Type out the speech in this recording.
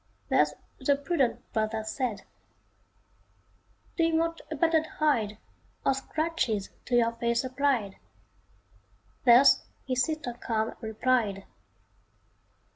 Thus the prudent brother said. "Do you want a battered hide, Or scratches to your face applied?" Thus his sister calm replied.